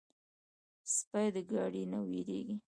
سپي د ګاډي نه وېرېږي.